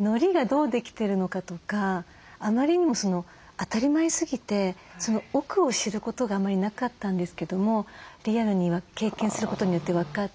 のりがどうできてるのかとかあまりにも当たり前すぎてその奥を知ることがあまりなかったんですけどもリアルに経験することによって分かって。